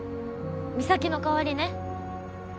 美咲の代わりね。